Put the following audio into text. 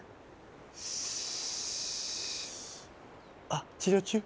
あ治療中？